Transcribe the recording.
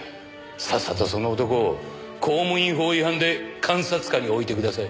さっさとその男を公務員法違反で監察下に置いてください。